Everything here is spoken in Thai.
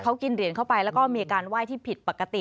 เขากินเหรียญเข้าไปแล้วก็มีการไหว้ที่ผิดปกติ